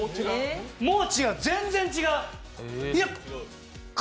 もう違う、全然違う。